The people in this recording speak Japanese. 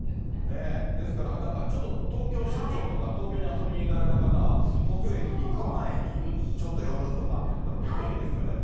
ですから、なんかちょっと、東京出張とか東京に遊び行かれた方は、東京駅に行く前にちょっと寄るとかっていったら、とってもいいですよね。